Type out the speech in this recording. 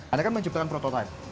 anda kan menciptakan prototipe